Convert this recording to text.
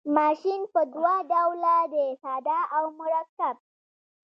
ماشین په دوه ډوله دی ساده او مرکب.